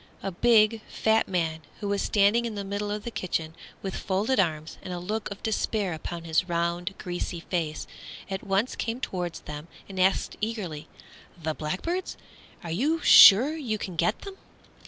A big, fat man who was standing in the middle of the kitchen with folded arms and a look of despair upon his round, greasy face, at once came toward them and asked eagerly, "The blackbirds? are you sure you can get them?"